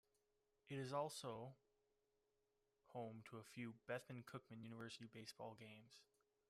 It is also home to a few of Bethune-Cookman University basketball games.